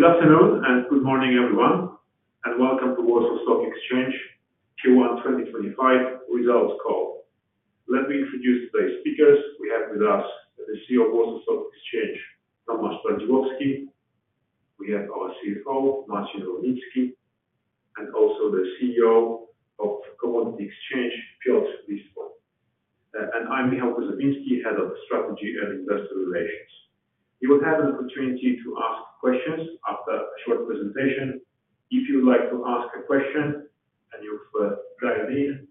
Good afternoon and good morning, everyone, and welcome to Warsaw Stock Exchange Q1 2025 results call. Let me introduce today's speakers. We have with us the CEO of Warsaw Stock Exchange, Tomasz Bardziłowski. We have our CFO, Marcin Rulnicki, and also the CEO of Commodity Exchange, Piotr Listwoń. And I'm Michal Kuzawinski, Head of Strategy and Investor Relations. You will have an opportunity to ask questions after a short presentation. If you would like to ask a question and you've dialed in,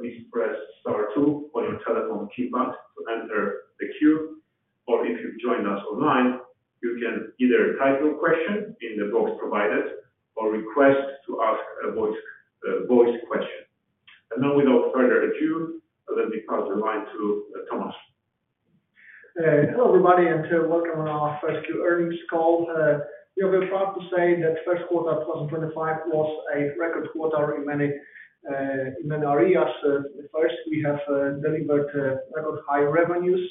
please press star two on your telephone keypad to enter the queue. Or if you've joined us online, you can either type your question in the box provided or request to ask a voice question. Now, without further ado, let me pass the line to Tomasz. Hello everybody and welcome to our first Q2 earnings call. You'll be proud to say that first quarter 2025 was a record quarter in many areas. First, we have delivered record high revenues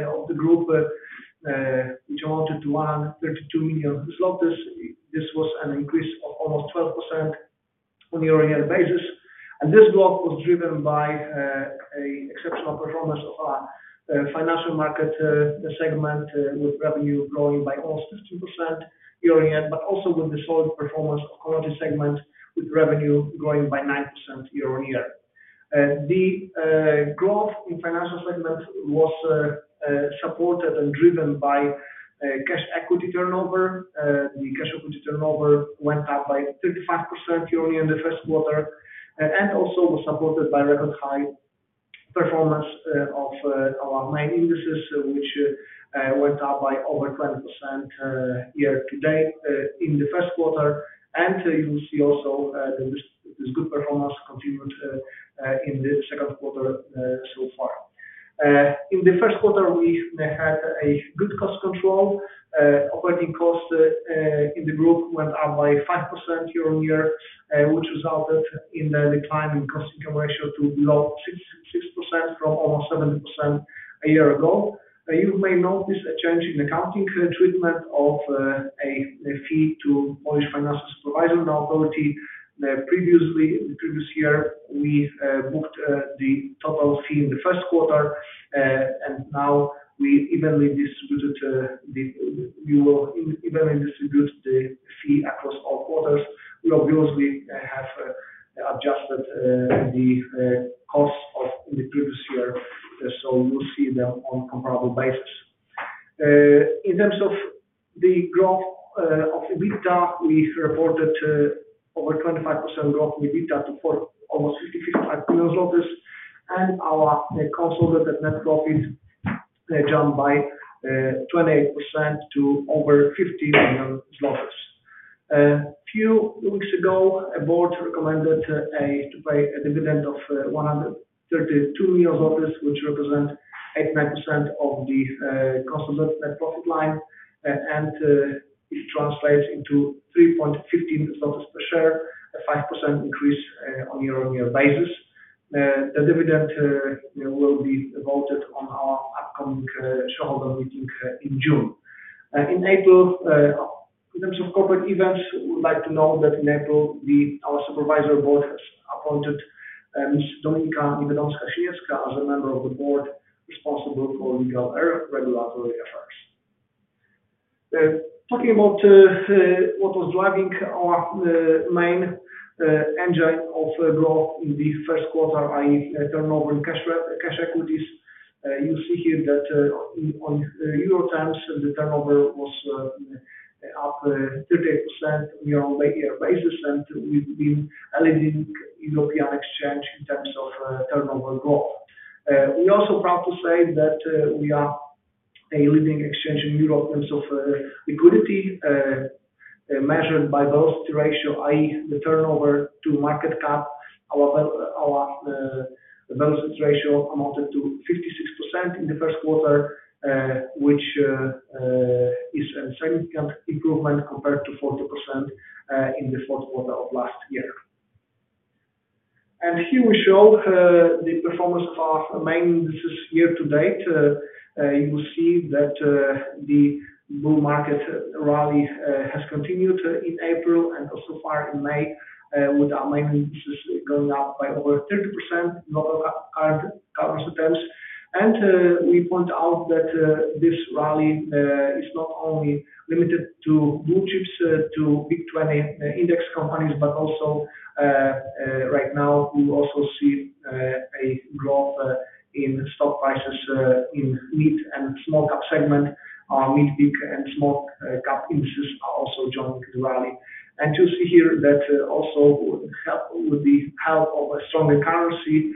of the group, which amounted to 132 million. This was an increase of almost 12% on a year-on-year basis. This growth was driven by an exceptional performance of our financial market segment, with revenue growing by almost 15% year-on-year, but also with the solid performance of the commodity segment, with revenue growing by 9% year-on-year. The growth in the financial segment was supported and driven by cash equity turnover. The cash equity turnover went up by 35% year-on-year in the first quarter and also was supported by record high performance of our main indices, which went up by over 20% year-to-date in the first quarter. You will see also this good performance continued in the second quarter so far. In the first quarter, we had a good cost control. Operating costs in the group went up by 5% year-on-year, which resulted in a decline in cost-income ratio to below 60% from almost 70% a year ago. You may notice a change in accounting treatment of a fee to Polish Financial Supervisors. Previously, in the previous year, we booked the total fee in the first quarter, and now we evenly distribute the fee across all quarters. We obviously have adjusted the costs in the previous year, so you will see them on a comparable basis. In terms of the growth of EBITDA, we reported over 25% growth in EBITDA to almost 55 million, and our consolidated net profit jumped by 28% to over 15 million zlotys. A few weeks ago, a board recommended to pay a dividend of 132 million zlotys, which represents 89% of the consolidated net profit line, and it translates into 3.15 zlotys per share, a 5% increase on a year-on-year basis. The dividend will be voted on at our upcoming shareholder meeting in June. In April, in terms of corporate events, we would like to note that in April, our Supervisory Board has appointed Ms. Dominika Niewiadomska-Siniecka as a member of the board responsible for legal regulatory affairs. Talking about what was driving our main engine of growth in the first quarter, i.e., turnover in cash equities, you see here that in Euro terms, the turnover was up 38% on a year-on-year basis, and we've been a leading European exchange in terms of turnover growth. We're also proud to say that we are a leading exchange in Europe in terms of liquidity, measured by velocity ratio, i.e., the turnover to market cap. Our velocity ratio amounted to 56% in the first quarter, which is a significant improvement compared to 40% in the fourth quarter of last year. Here we show the performance of our main indices year-to-date. You will see that the bull market rally has continued in April and also far in May, with our main indices going up by over 30% in global currency terms. We point out that this rally is not only limited to blue chips, to big 20 index companies, but also right now we also see a growth in stock prices in mid and small cap segment. Our mid, big, and small cap indices are also joining the rally. You see here that also with the help of a stronger currency,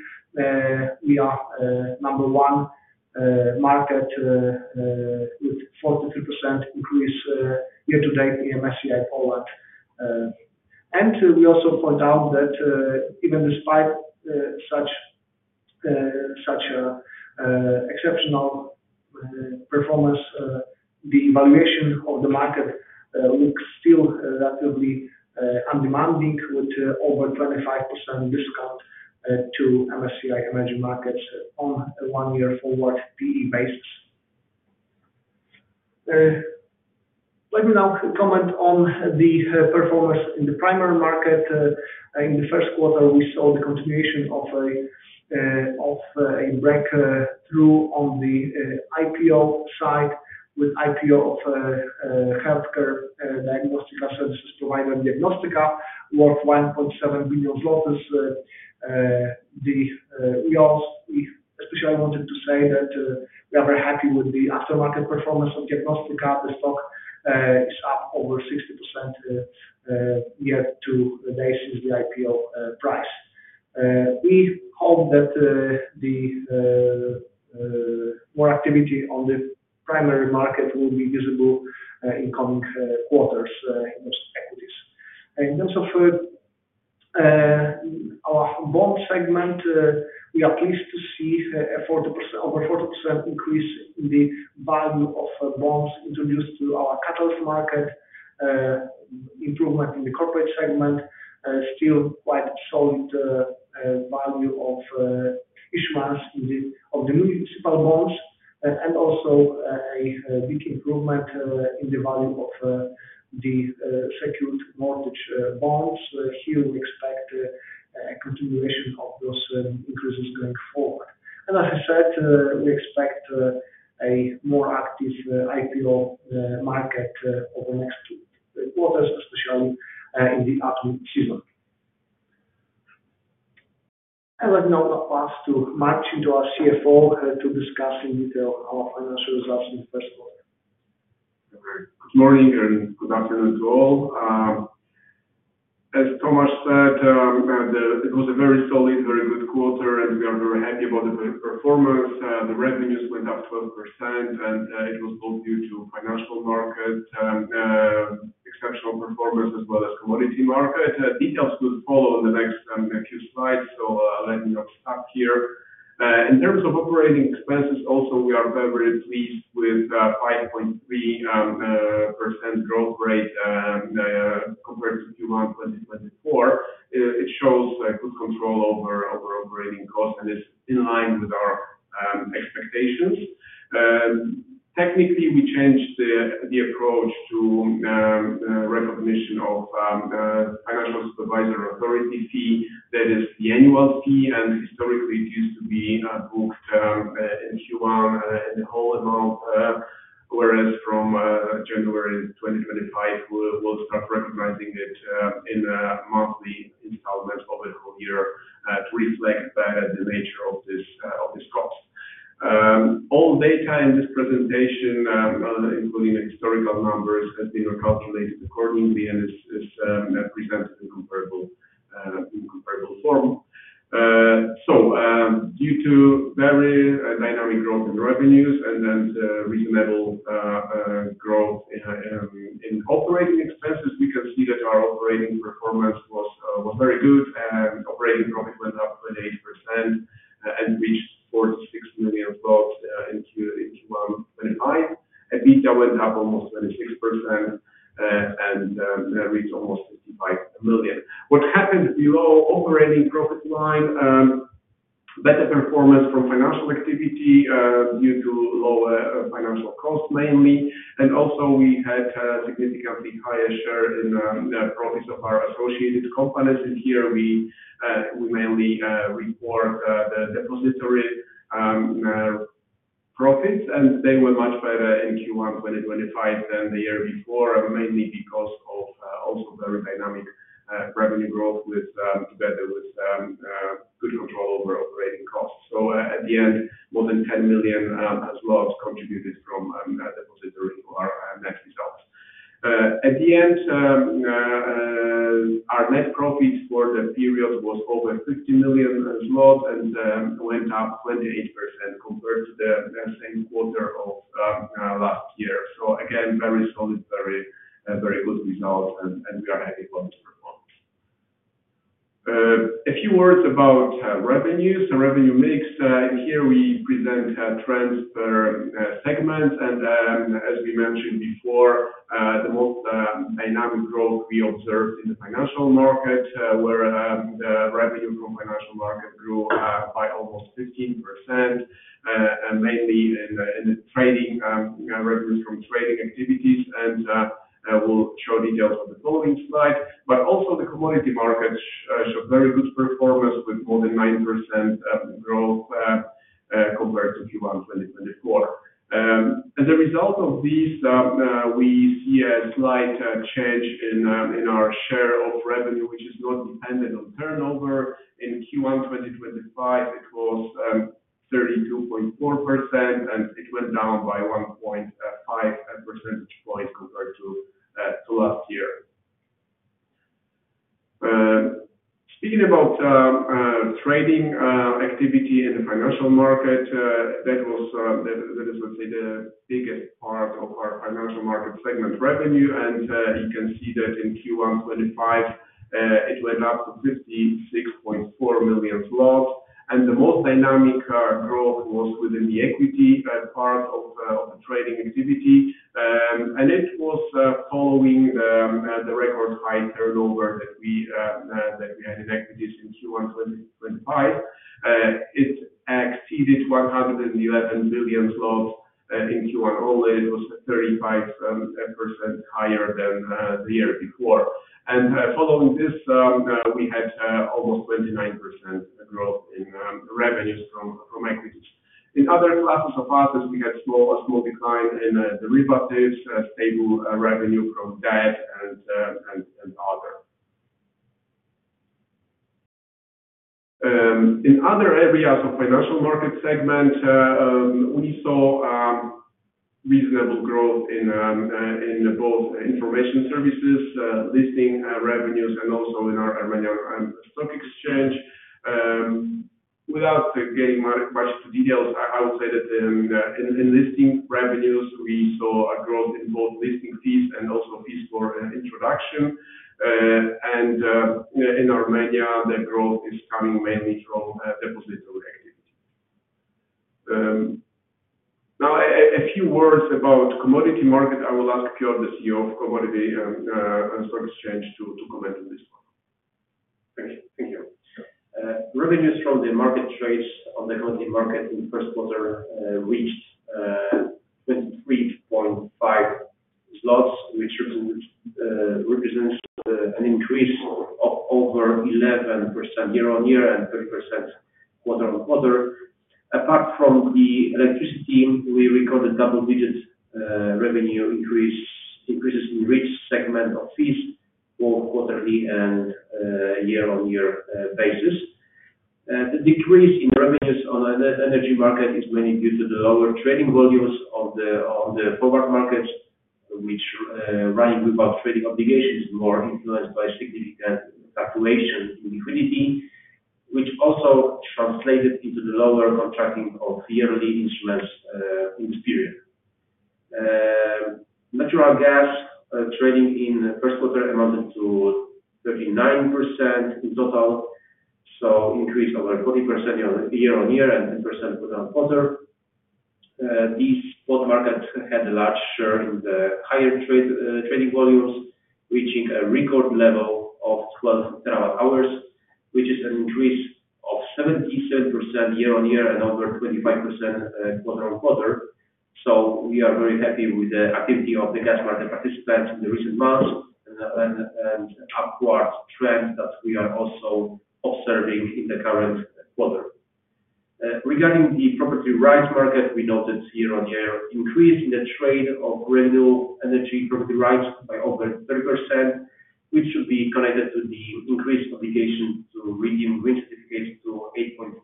we are number one market with 43% increase year-to-date in MSCI Poland. We also point out that even despite such exceptional performance, the evaluation of the market looks still relatively undemanding, with over 25% discount to MSCI emerging markets on a one-year forward P/E basis. Let me now comment on the performance in the primary market. In the first quarter, we saw the continuation of a breakthrough on the IPO side, with IPO of healthcare diagnostic services provider Diagnostyka worth 1.7 billion zlotys. Especially, I wanted to say that we are very happy with the aftermarket performance of Diagnostyka. The stock is up over 60% year-to-date since the IPO price. We hope that more activity on the primary market will be visible in coming quarters in those equities. In terms of our bond segment, we are pleased to see over 40% increase in the value of bonds introduced to our Catalyst market, improvement in the corporate segment, still quite solid value of issuance of the municipal bonds, and also a big improvement in the value of the secured mortgage bonds. Here we expect a continuation of those increases going forward. As I said, we expect a more active IPO market over the next quarters, especially in the upcoming season. Let me now pass to Marcin, to our CFO, to discuss in detail our financial results in the first quarter. Good morning and good afternoon to all. As Tomasz said, it was a very solid, very good quarter, and we are very happy about the performance. The revenues went up 12%, and it was both due to financial market exceptional performance as well as commodity market. Details will follow in the next few slides, so let me not stop here. In terms of operating expenses, also we are very, very pleased with a 5.3% growth rate compared to Q1 2024. It shows good control over operating costs and is in line with our expectations. Technically, we changed the approach to recognition of the financial supervisor authority fee. That is the annual fee, and historically it used to be booked in Q1 in the whole amount, whereas from January 2025, we'll start recognizing it in a monthly installment over the whole year to reflect the nature of this cost. All data in this presentation, including historical numbers, has been recalculated accordingly and is presented in comparable form. Due to very dynamic growth in revenues and reasonable growth in operating expenses, we can see that our operating performance was very good. Operating profit went up 28% and reached PLN 46 million in Q1 2025. EBITDA went up almost 26% and reached almost PLN 55 million. What happened below operating profit line? Better performance from financial activity due to lower financial costs mainly. We had a significantly higher share in profits of our associated companies. Here we mainly report the depository profits, and they were much better in Q1 2025 than the year before, mainly because of also very dynamic revenue growth together with good control over operating costs. At the end, more than 10 million contributed from depository to our net results. At the end, our net profit for the period was over 50 million zlotys and went up 28% compared to the same quarter of last year. Again, very solid, very good results, and we are happy for this performance. A few words about revenues and revenue mix. Here we present trends per segment. As we mentioned before, the most dynamic growth we observed in the financial market, where the revenue from financial market grew by almost 15%, mainly in trading revenues from trading activities, and we will show details on the following slide. Also, the commodity markets showed very good performance with more than 9% growth compared to Q1 2024. As a result of these, we see a slight change in our share of revenue, which is not dependent on turnover. In Q1 2025, it was 32.4%, and it went down by 1.5 percentage points compared to last year. Speaking about trading activity in the financial market, that is, let's say, the biggest part of our financial market segment revenue. You can see that in Q1 2025, it went up to 56.4 million zlotys. The most dynamic growth was within the equity part of the trading activity. It was following the record high turnover that we had in equities in Q1 2025. It exceeded 111 million zlotys in Q1 only. It was 35% higher than the year before. Following this, we had almost 29% growth in revenues from equities. In other classes of assets, we had a small decline in derivatives, stable revenue from debt, and other. In other areas of the financial market segment, we saw reasonable growth in both information services, listing revenues, and also in our Armenia Stock Exchange. Without getting much into details, I would say that in listing revenues, we saw a growth in both listing fees and also fees for introduction. In Armenia, the growth is coming mainly from depository activity. Now, a few words about the commodity market. I will ask Piotr, the CEO of Commodity Exchange, to comment on this one. Thank you. Revenues from the market trades on the commodity market in the first quarter reached 23.5 million zlotys, which represents an increase of over 11% year-on-year and 30% quarter-on-quarter. Apart from the electricity, we recorded double-digit revenue increases in each segment of fees both on a quarterly and year-on-year basis. The decrease in revenues on the energy market is mainly due to the lower trading volumes of the forward markets, which, running without trading obligations, is more influenced by significant fluctuation in liquidity, which also translated into the lower contracting of yearly instruments in this period. Natural gas trading in the first quarter amounted to 39% in total, so an increase of over 40% year-on-year and 10% quarter-on-quarter. These bond markets had a large share in the higher trading volumes, reaching a record level of 12 TWh, which is an increase of 77% year-on-year and over 25% quarter-on-quarter. We are very happy with the activity of the gas market participants in the recent months and the upward trend that we are also observing in the current quarter. Regarding the property rights market, we noted year-on-year increase in the trade of renewable energy property rights by over 30%, which should be connected to the increased obligation to redeem green certificates to 8.5%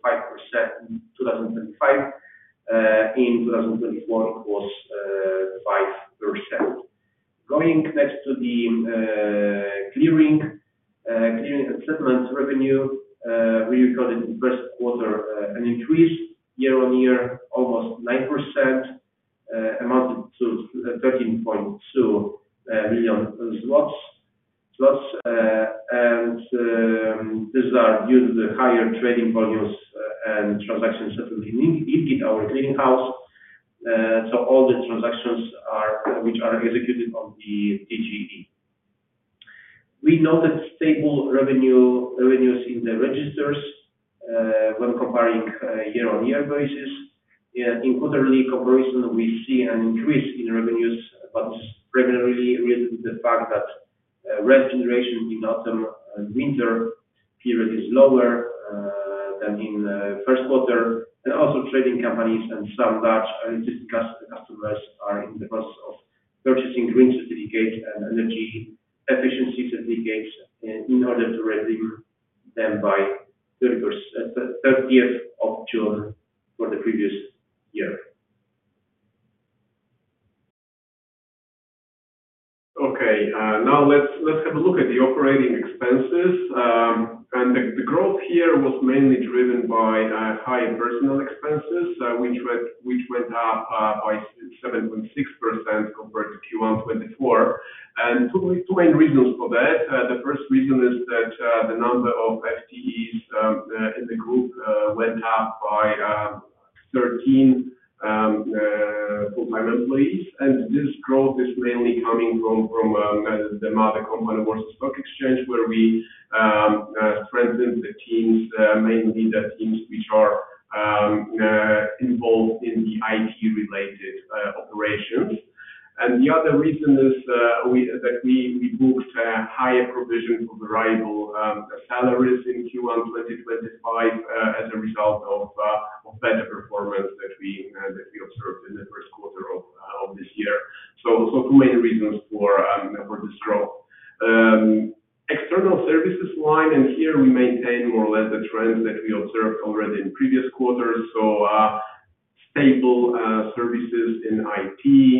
in 2025. In 2024, it was 5%. Going next to the clearing and settlement revenue, we recorded in the first quarter an increase year-on-year of almost 9%, amounted to 13.2 million zlotys. These are due to the higher trading volumes and transactions settled in IBIT, our clearing house. All the transactions which are executed on the TGE. We noted stable revenues in the registers when comparing year-on-year basis. In quarterly comparison, we see an increase in revenues, but this is primarily related to the fact that rent generation in the autumn and winter period is lower than in the first quarter. Also, trading companies and some Dutch logistics customers are in the process of purchasing green certificates and energy efficiency certificates in order to redeem them by the 30th of June for the previous year. Okay. Now, let's have a look at the operating expenses. The growth here was mainly driven by higher personnel expenses, which went up by 7.6% compared to Q1 2024. Two main reasons for that. The first reason is that the number of FTEs in the group went up by 13 full-time employees. This growth is mainly coming from the mother company Warsaw Stock Exchange, where we strengthened the teams, mainly the teams which are involved in the IT-related operations. The other reason is that we booked higher provision for variable salaries in Q1 2025 as a result of better performance that we observed in the first quarter of this year. Two main reasons for this growth. External services line, and here we maintain more or less the trends that we observed already in previous quarters. Stable services in IT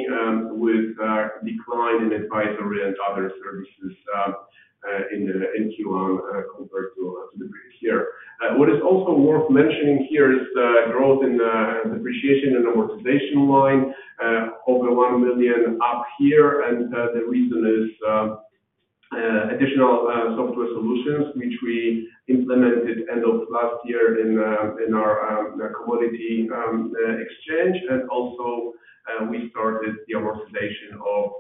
with a decline in advisory and other services in Q1 compared to the previous year. What is also worth mentioning here is growth in depreciation and amortization line, over PLN 1 million up here. The reason is additional software solutions, which we implemented end of last year in our commodity exchange. Also, we started the amortization of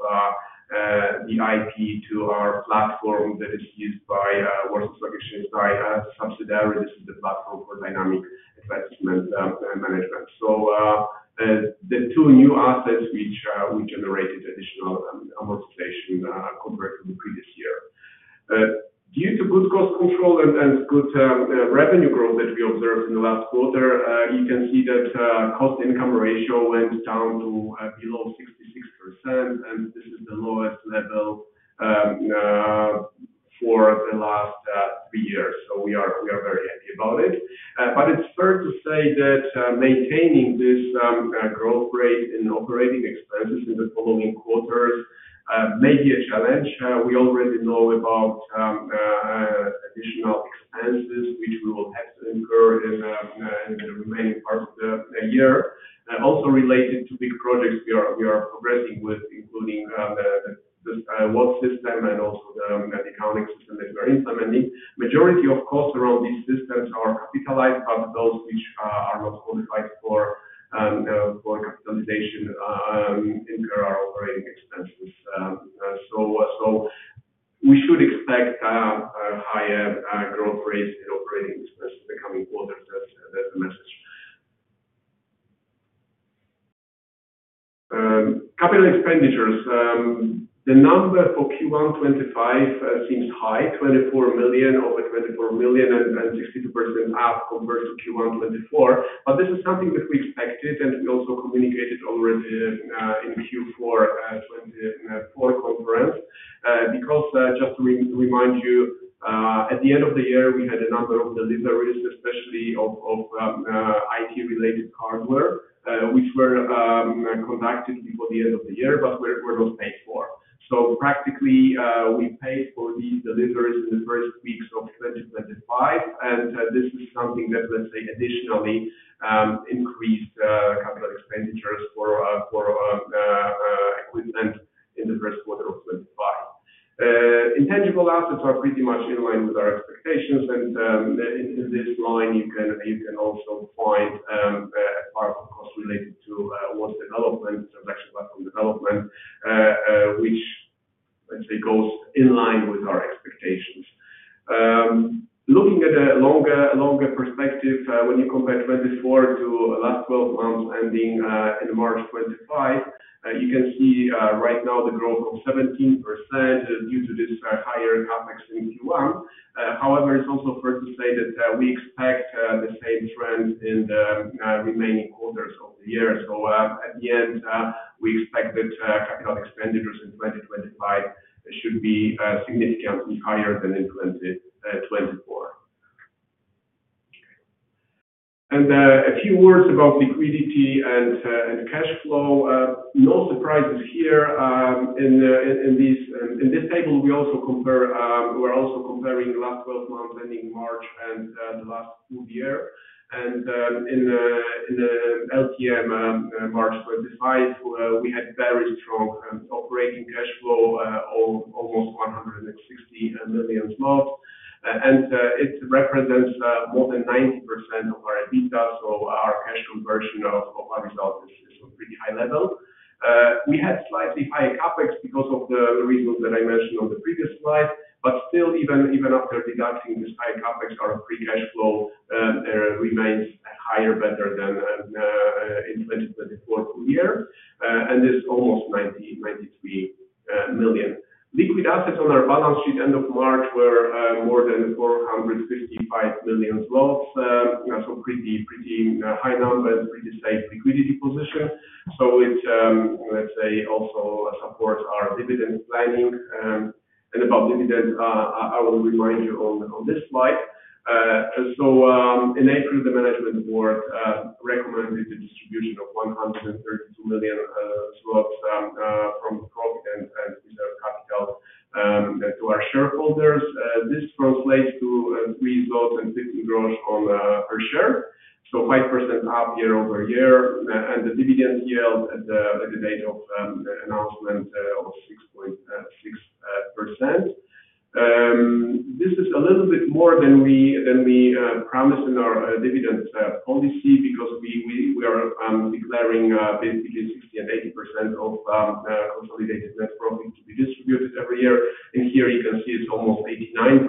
the IP to our platform that is used by Warsaw Stock Exchange by a subsidiary. This is the platform for dynamic investment management. The two new assets generated additional amortization compared to the previous year. Due to good cost control and good revenue growth that we observed in the last quarter, you can see that cost-income ratio went down to below 66%. This is the lowest level for the last three years. We are very happy about it. It is fair to say that maintaining this growth rate in operating expenses in the following quarters may be a challenge. We already know about additional expenses, which we will have to incur in the remaining part of the year. Also related to big projects, we are progressing with including the WASP system and also the accounting system that we are implementing. The majority of costs around these systems are capitalized, but those which are not qualified for capitalization incur our operating expenses. We should expect a higher growth rate in operating expenses in the coming quarters as a message. Capital expenditures. The number for Q1 2025 seems high, 24 million, over 24 million, and 62% up compared to Q1 2024. This is something that we expected, and we also communicated already in the Q4 2024 conference. Because just to remind you, at the end of the year, we had a number of deliveries, especially of IT-related hardware, which were conducted before the end of the year, but were not paid for. Practically, we paid for these deliveries in the first weeks of 2025. This is something that, let's say, additionally increased capital expenditures for equipment in the first quarter of 2025. Intangible assets are pretty much in line with our expectations. In this line, you can also find a part of cost related to WASP development, transaction platform development, which, let's say, goes in line with our expectations. Looking at a longer perspective, when you compare 2024 to the last 12 months ending in March 2025, you can see right now the growth of 17% due to this higher CapEx in Q1. However, it's also fair to say that we expect the same trend in the remaining quarters of the year. At the end, we expect that capital expenditures in 2025 should be significantly higher than in 2024. A few words about liquidity and cash flow. No surprises here. In this table, we are also comparing the last 12 months ending March and the last full year. In LTM March 2025, we had very strong operating cash flow, almost 160 million zlotys. It represents more than 90% of our EBITDA. Our cash conversion of our result is at a pretty high level. We had slightly higher CapEx because of the reasons that I mentioned on the previous slide. Still, even after deducting this higher CapEx, our free cash flow remains higher, better than in 2024 full year. It's almost 93 million. Liquid assets on our balance sheet end of March were more than 455 million. Pretty high numbers, pretty safe liquidity position. It, let's say, also supports our dividend planning. About dividends, I will remind you on this slide. In April, the management board recommended the distribution of 132 million zlotys from the profit and reserve capital to our shareholders. This translates to PLN 3.15 gross per share. 5% up year-over-year. The dividend yield at the date of announcement of 6.6%. This is a little bit more than we promised in our dividend policy because we are declaring basically 60-80% of consolidated net profit to be distributed every year. Here you can see it's almost 89%.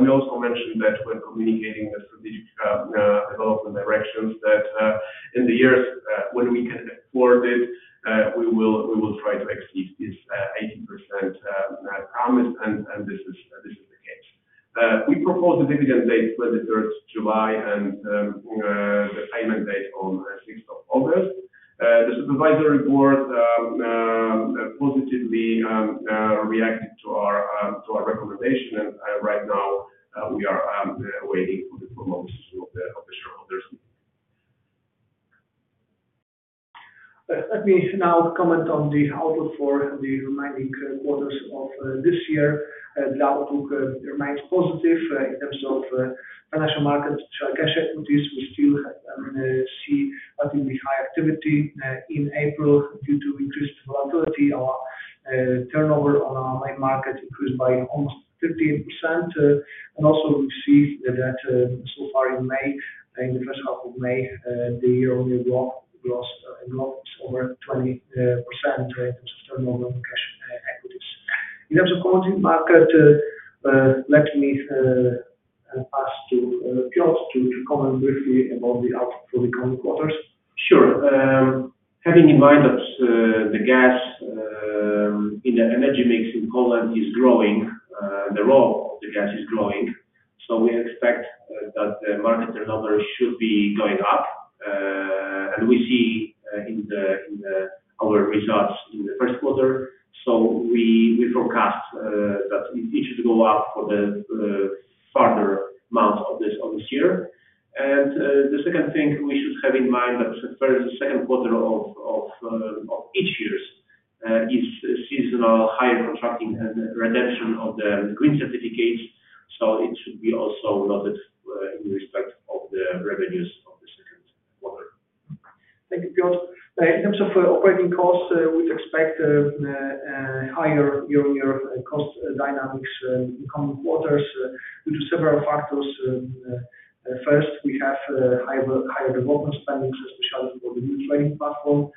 We also mentioned that when communicating the strategic development directions that in the years when we can afford it, we will try to exceed this 80% promise. This is the case. We propose the dividend date 23rd July and the payment date on 6th of August. The Supervisory Board positively reacted to our recommendation. Right now, we are waiting for the formal decision of the shareholders. Let me now comment on the outlook for the remaining quarters of this year. The outlook remains positive in terms of financial markets, cash equities. We still see relatively high activity in April due to increased volatility. Our turnover on our main market increased by almost 15%. We also see that so far in May, in the first half of May, the year-on-year growth is over 20% in terms of turnover on cash equities. In terms of commodity market, let me pass to Piotr to comment briefly about the outlook for the coming quarters. Sure. Having in mind that the gas in the energy mix in Poland is growing, the role of the gas is growing. We expect that the market turnover should be going up. We see this in our results in the first quarter. We forecast that it should go up for the further months of this year. The second thing we should have in mind is that the second quarter of each year is seasonal higher contracting and redemption of the green certificates. It should be also noted in respect of the revenues of the second quarter. Thank you, Piotr. In terms of operating costs, we expect higher year-on-year cost dynamics in coming quarters due to several factors. First, we have higher development spending, especially for the new trading platform,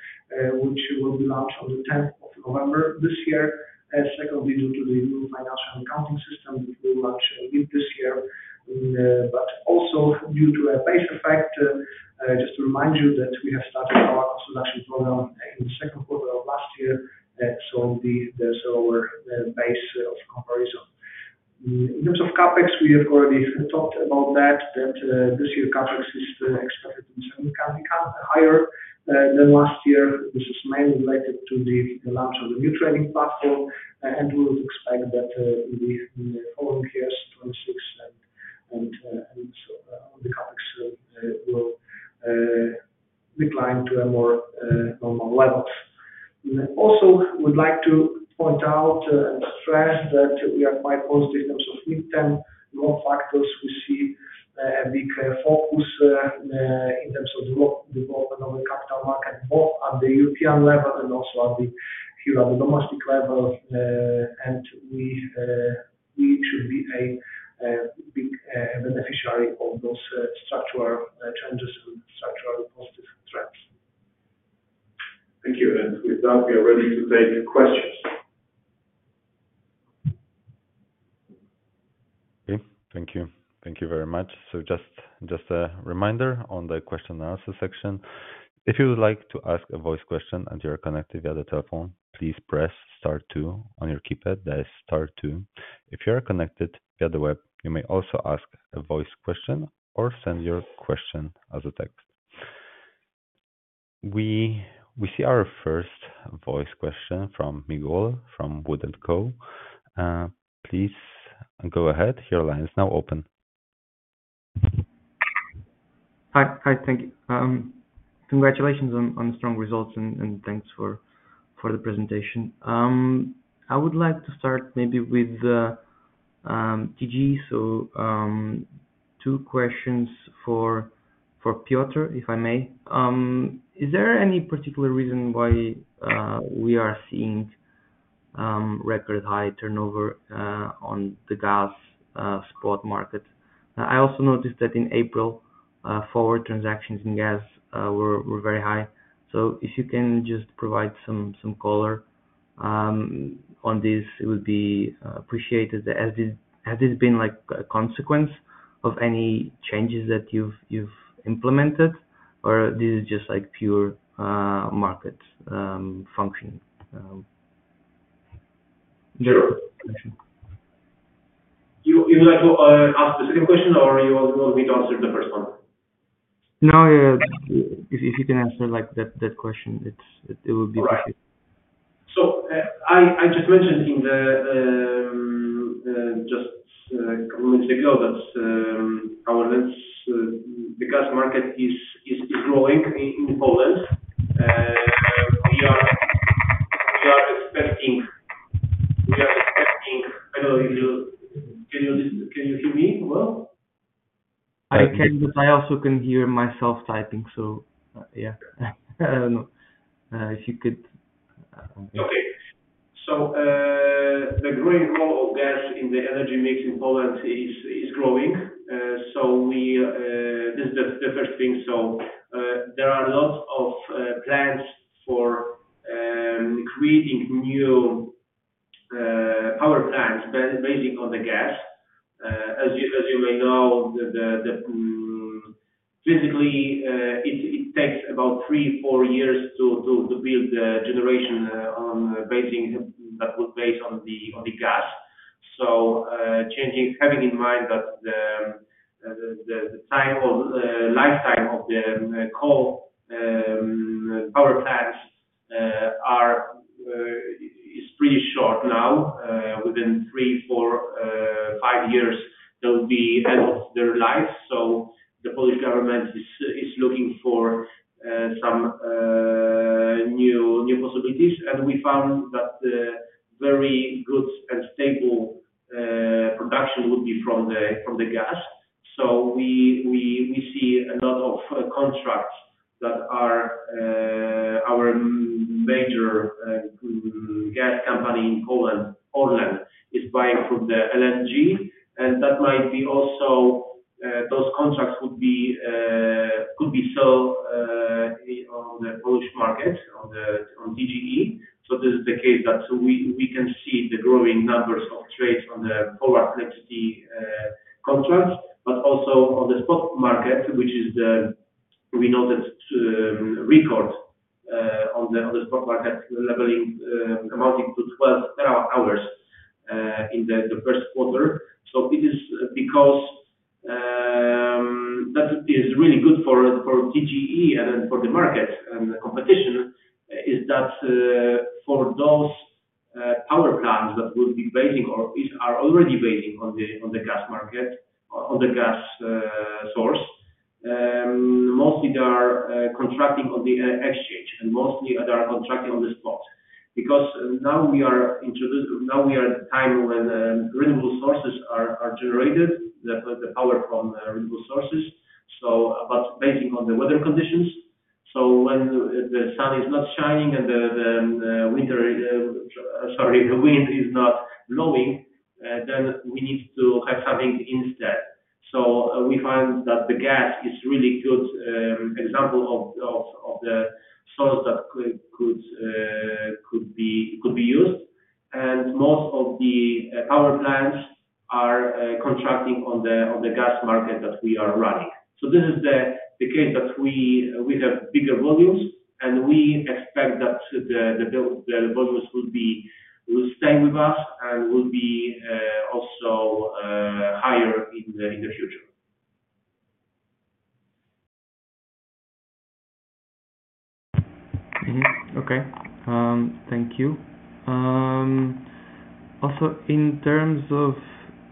which will be launched on the 10th of November this year. Secondly, due to the new financial accounting system that we will launch in mid this year. Also due to a base effect, just to remind you that we have started our cost reduction program in the second quarter of last year. So there's our base of comparison. In terms of CapEx, we have already talked about that, that this year CapEx is expected to become higher than last year. This is mainly related to the launch of the new trading platform. We would expect that in the following years, 2026, and so on, the CapEx will decline to more normal levels. Also, we'd like to point out and stress that we are quite positive in terms of midterm growth factors. We see a big focus in terms of the development of the capital market, both at the European level and also here at the domestic level. We should be a big beneficiary of those structural changes and structural positive trends. Thank you. With that, we are ready to take questions. Thank you. Thank you very much. Just a reminder on the question and answer section. If you would like to ask a voice question and you are connected via the telephone, please press star two on your keypad. That is star two. If you are connected via the web, you may also ask a voice question or send your question as a text. We see our first voice question from Miguel from Wood & Co. Please go ahead. Your line is now open. Hi. Thank you. Congratulations on the strong results and thanks for the presentation. I would like to start maybe with TGE. Two questions for Piotr, if I may. Is there any particular reason why we are seeing record high turnover on the gas spot market? I also noticed that in April, forward transactions in gas were very high. If you can just provide some color on this, it would be appreciated. Has this been a consequence of any changes that you've implemented, or is this just pure market function? Sure. You would like to ask a specific question, or you want me to answer the first one? No. If you can answer that question, it would be appreciated. I just mentioned just a couple of minutes ago that the gas market is growing in Poland. We are expecting—I don't know if you can hear me well. I also can hear myself typing. Yeah. I do not know if you could. Okay. The growing role of gas in the energy mix in Poland is growing. This is the first thing. There are lots of plans for creating new power plants basing on the gas. As you may know, physically, it takes about three, four years to build the generation that would be based on the gas. Having in mind that the lifetime of the coal power plants is pretty short now, within three, four, five years, they'll be at the end of their life. The Polish government is looking for some new possibilities. We found that very good and stable production would be from the gas. We see a lot of contracts that our major gas company in Poland, ORLEN, is buying from the LNG. That might be also those contracts could be sold on the Polish market, on TGE. This is the case that we can see the growing numbers of trades on the forward connectivity contracts, but also on the spot market, which is the we noted record on the spot market leveling amounting to 12 TWh in the first quarter. It is because that is really good for TGE and for the market and the competition is that for those power plants that will be basing or are already basing on the gas market, on the gas source, mostly they are contracting on the exchange. Mostly, they are contracting on the spot. Now we are at the time when renewable sources are generated, the power from renewable sources, but basing on the weather conditions. When the sun is not shining and the wind is not blowing, then we need to have something instead. We find that the gas is a really good example of the source that could be used. Most of the power plants are contracting on the gas market that we are running. This is the case that we have bigger volumes, and we expect that the volumes will stay with us and will be also higher in the future. Okay. Thank you. Also, in terms of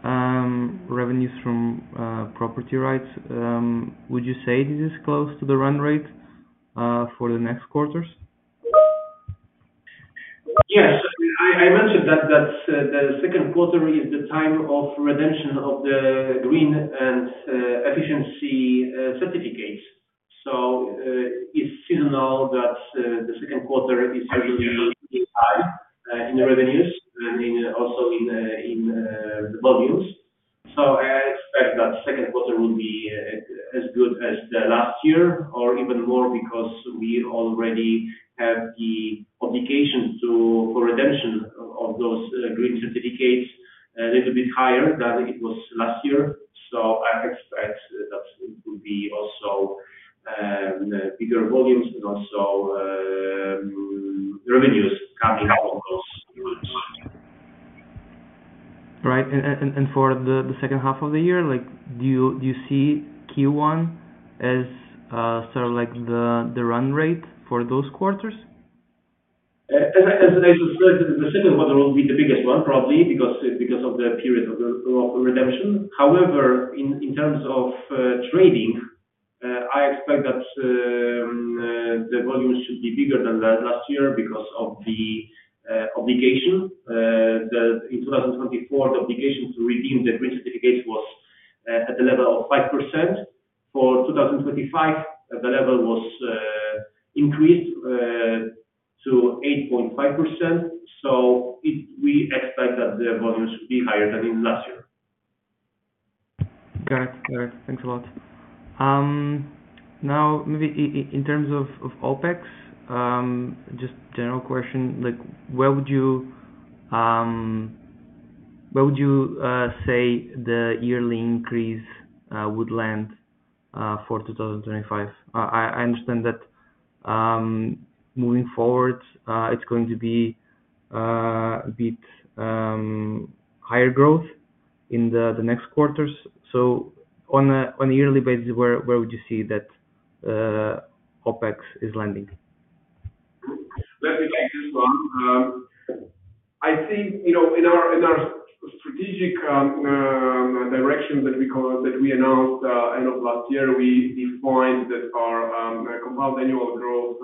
revenues from property rights, would you say this is close to the run rate for the next quarters? Yes. I mentioned that the second quarter is the time of redemption of the green and efficiency certificates. It is seasonal that the second quarter is usually high in the revenues and also in the volumes. I expect that the second quarter will be as good as last year or even more because we already have the obligation to redemption of those green certificates a little bit higher than it was last year. I expect that it will be also bigger volumes and also revenues coming from those goods. Right. For the second half of the year, do you see Q1 as sort of the run rate for those quarters? As I just said, the second quarter will be the biggest one, probably, because of the period of redemption. However, in terms of trading, I expect that the volumes should be bigger than last year because of the obligation. In 2024, the obligation to redeem the green certificates was at the level of 5%. For 2025, the level was increased to 8.5%. So we expect that the volumes should be higher than in last year. Got it. Got it. Thanks a lot. Now, maybe in terms of OpEx, just general question. Where would you say the yearly increase would land for 2025? I understand that moving forward, it's going to be a bit higher growth in the next quarters. On a yearly basis, where would you see that OpEx is landing? Let me take this one. I think in our strategic direction that we announced end of last year, we defined that our compound annual growth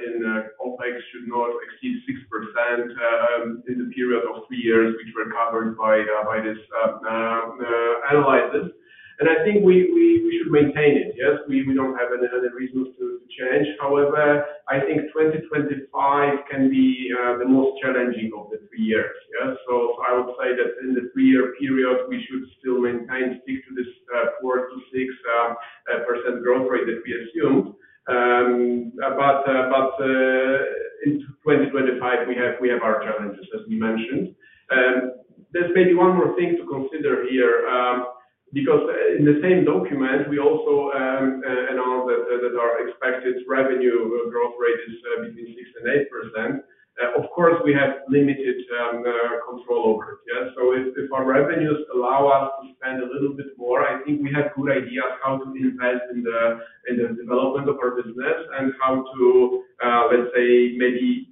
in OpEx should not exceed 6% in the period of three years, which were covered by this analysis. I think we should maintain it. Yes, we do not have any reasons to change. However, I think 2025 can be the most challenging of the three years. I would say that in the three-year period, we should still maintain stick to this 4-6% growth rate that we assumed. In 2025, we have our challenges, as we mentioned. There is maybe one more thing to consider here. Because in the same document, we also announced that our expected revenue growth rate is between 6-8%. Of course, we have limited control over it. If our revenues allow us to spend a little bit more, I think we have good ideas how to invest in the development of our business and how to, let's say, maybe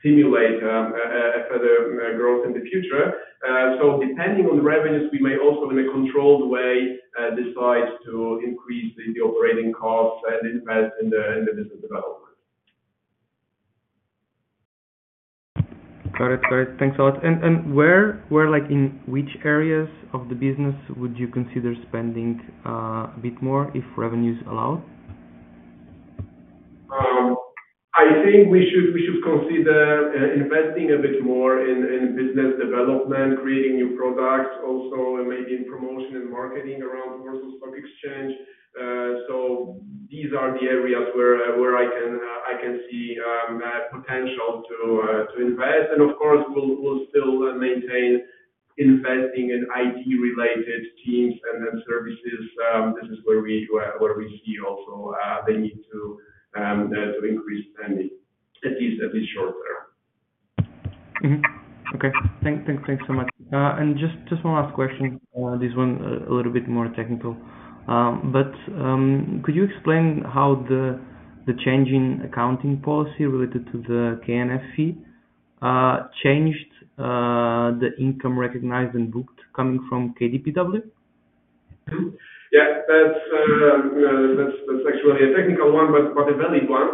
stimulate further growth in the future. Depending on the revenues, we may also in a controlled way decide to increase the operating costs and invest in the business development. Got it. Got it. Thanks a lot. In which areas of the business would you consider spending a bit more if revenues allow? I think we should consider investing a bit more in business development, creating new products, also maybe in promotion and marketing around Warsaw Stock Exchange. These are the areas where I can see potential to invest. Of course, we'll still maintain investing in IT-related teams and services. This is where we see also the need to increase spending, at least short term. Okay. Thanks so much. Just one last question. This one a little bit more technical. Could you explain how the changing accounting policy related to the KNF fee changed the income recognized and booked coming from KDPW? Yeah. That's actually a technical one, but a valid one.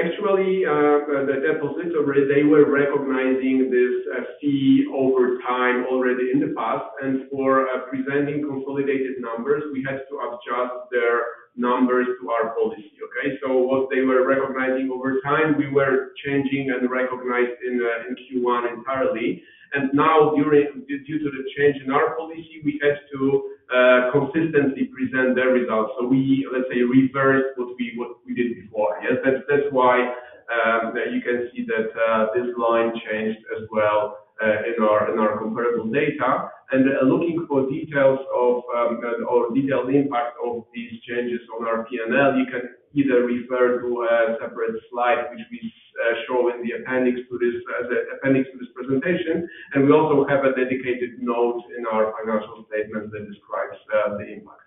Actually, the depository, they were recognizing this fee over time already in the past. For presenting consolidated numbers, we had to adjust their numbers to our policy. Okay? What they were recognizing over time, we were changing and recognized in Q1 entirely. Now, due to the change in our policy, we had to consistently present their results. We, let's say, reversed what we did before. Yes? That's why you can see that this line changed as well in our comparable data. Looking for details of or detailed impact of these changes on our P&L, you can either refer to a separate slide, which we show in the appendix to this presentation. We also have a dedicated note in our financial statements that describes the impact.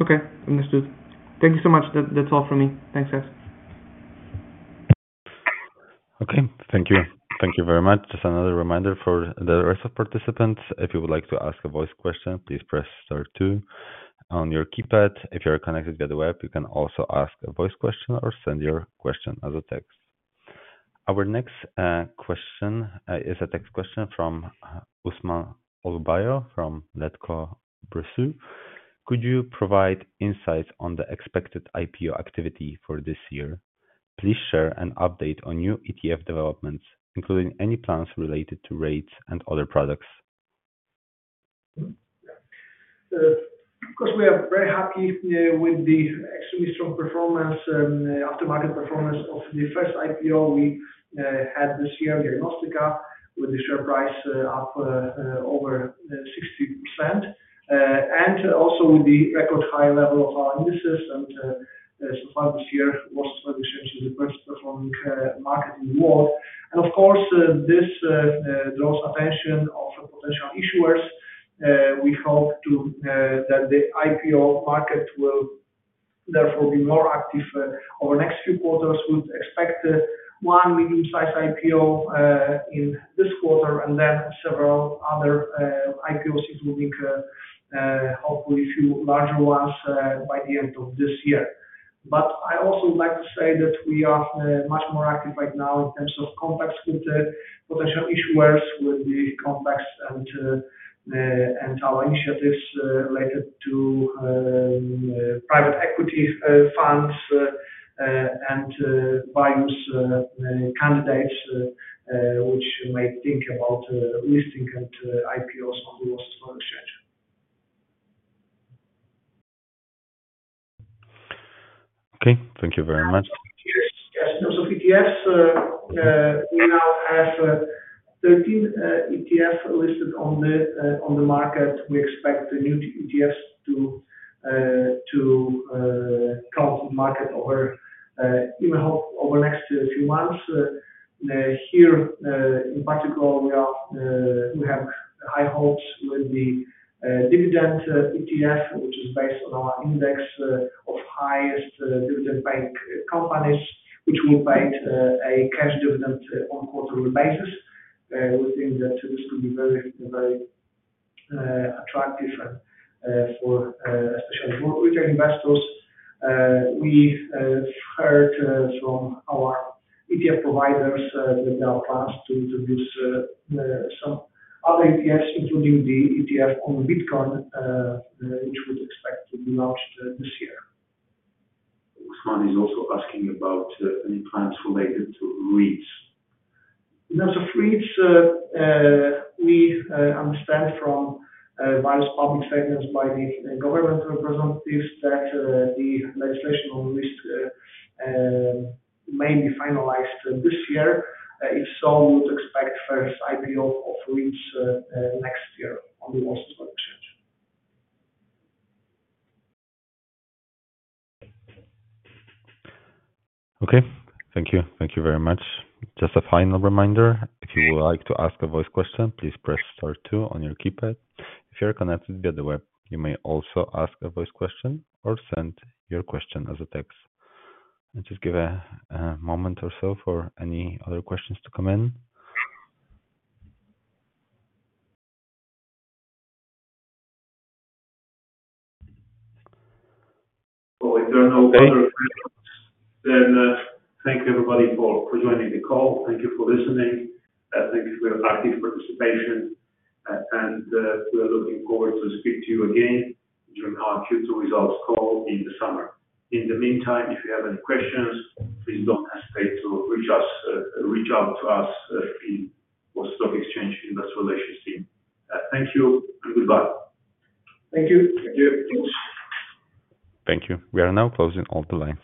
Okay. Understood. Thank you so much. That's all from me. Thanks, guys. Okay. Thank you. Thank you very much. Just another reminder for the rest of participants. If you would like to ask a voice question, please press star two on your keypad. If you are connected via the web, you can also ask a voice question or send your question as a text. Our next question is a text question from Usman Olubajo from Letko Brosseau. "Could you provide insights on the expected IPO activity for this year? Please share an update on new ETF developments, including any plans related to REITs and other products. Of course, we are very happy with the extremely strong performance and aftermarket performance of the first IPO we had this year, Diagnostyka, with the share price up over 60%. Also with the record high level of our indices. So far this year, Warsaw Stock Exchange is the first performing market in the world. Of course, this draws attention of potential issuers. We hope that the IPO market will therefore be more active over the next few quarters. We would expect one medium-sized IPO in this quarter and then several other IPOs including, hopefully, a few larger ones by the end of this year. I also would like to say that we are much more active right now in terms of contacts with the potential issuers, with the contacts and our initiatives related to private equity funds and various candidates, which may think about listing and IPOs on the Warsaw Stock Exchange. Okay. Thank you very much. Yes. Yes. In terms of ETFs, we now have 13 ETFs listed on the market. We expect the new ETFs to come to the market over, we hope, over the next few months. Here, in particular, we have high hopes with the dividend ETF, which is based on our index of highest dividend-paying companies, which will pay a cash dividend on a quarterly basis. We think that this could be very, very attractive for especially for retail investors. We've heard from our ETF providers that they are planning to introduce some other ETFs, including the ETF on Bitcoin, which we would expect to be launched this year. Usman is also asking about any plans related to REITs. In terms of REITs, we understand from various public statements by the government representatives that the legislation on REITs may be finalized this year. If so, we would expect the first IPO of REITs next year on the Warsaw Stock Exchange. Okay. Thank you. Thank you very much. Just a final reminder. If you would like to ask a voice question, please press star two on your keypad. If you are connected via the web, you may also ask a voice question or send your question as a text. Just give a moment or so for any other questions to come in. If there are no further questions, thank you, everybody, for joining the call. Thank you for listening. Thank you for your active participation. We are looking forward to speaking to you again during our Q2 results call in the summer. In the meantime, if you have any questions, please do not hesitate to reach out to us in the Warsaw Stock Exchange Investor Relations team. Thank you and goodbye. Thank you. Thank you. Thank you. We are now closing all the lines.